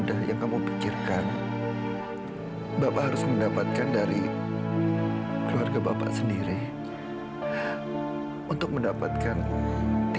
dan ibu gak akan menghalangi kamu lagi